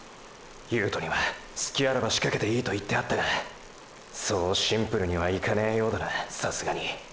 悠人にはスキあらばしかけていいと言ってあったがそうシンプルにはいかねぇようだなさすがに！！